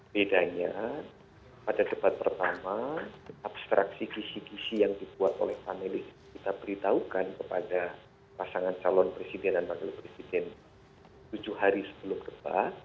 bedanya pada debat pertama abstraksi kisi kisi yang dibuat oleh panelis kita beritahukan kepada pasangan calon presiden dan wakil presiden tujuh hari sebelum debat